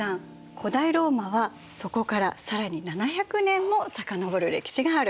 古代ローマはそこから更に７００年も遡る歴史があるの。